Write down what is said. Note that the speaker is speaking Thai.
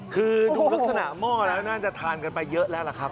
คือดูลักษณะหม้อแล้วน่าจะทานกันไปเยอะแล้วล่ะครับ